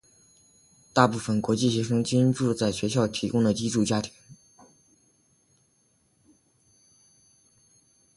大部分国际学生均住在学校提供的寄住家庭。